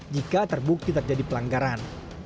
jika terbukti terjadi pelanggaran